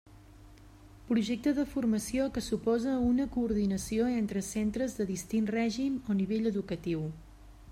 Projecte de formació que suposa una coordinació entre centres de distint règim o nivell educatiu.